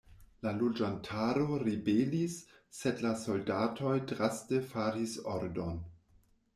La loĝantaro ribelis, sed la soldatoj draste faris ordon.